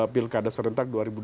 pilkada serentak dua ribu delapan